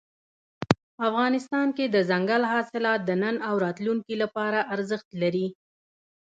افغانستان کې دځنګل حاصلات د نن او راتلونکي لپاره ارزښت لري.